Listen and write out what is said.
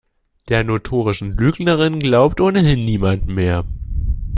Der notorischen Lügnerin glaubt ohnehin niemand mehr.